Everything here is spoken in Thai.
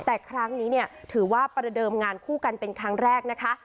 แต่ครั้งนี้เนี่ยถือว่าประเดิมงานคู่กันเป็นครั้งแรกนะคะ